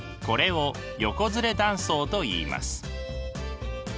これを横ずれ断層といいます。